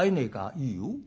「いいよ。